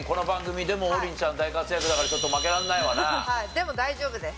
でも大丈夫です。